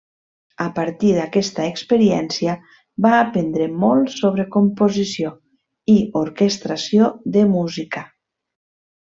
A partir d'aquesta experiència va aprendre molt sobre composició i orquestració de música.